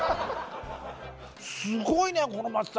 「すごいねこの松茸」